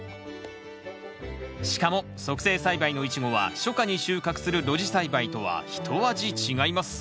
しかも促成栽培のイチゴは初夏に収穫する露地栽培とはひと味違います